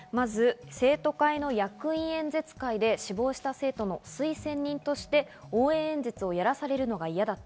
まず生徒会の役員演説会で死亡した生徒の推薦人として応援演説をやらされるのが嫌だった。